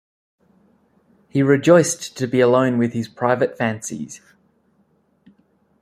He rejoiced to be alone with his private fancies.